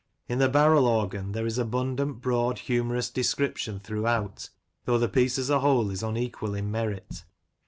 In " The Barrel Organ " there is abundant broad humorous descrip tion throughout, though the piece as a whole is unequal in merit.